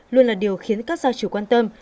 luôn là điều khiến các gia chủ quan tâm